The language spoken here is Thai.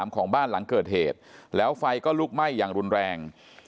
ของบ้านหลังเกิดเหตุแล้วไฟก็ลุกไหม้อย่างรุนแรง